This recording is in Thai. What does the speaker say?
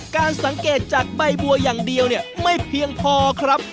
การสังเกตจากใบบัวอย่างเดียวเนี่ยไม่เพียงพอครับ